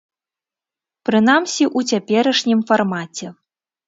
Прынамсі, у цяперашнім фармаце.